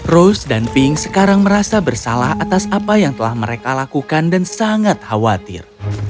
rose dan pink sekarang merasa bersalah atas apa yang telah mereka lakukan dan sangat khawatir